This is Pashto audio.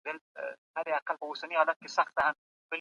تاسو باید د سبزیو د پرې کولو لرګینه تخته تل په صابون ومینځئ.